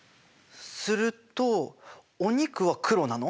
するとお肉は黒なの？